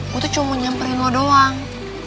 gue tuh cuma nyamperin mau doang